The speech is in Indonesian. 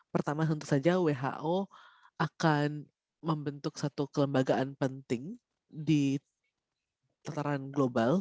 pertama tentu saja who akan membentuk satu kelembagaan penting di tataran global